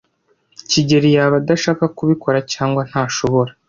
kigeli yaba adashaka kubikora cyangwa ntashobora.